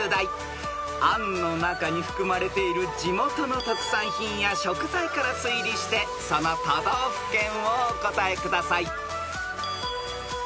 ［あんの中に含まれている地元の特産品や食材から推理してその都道府県をお答えください］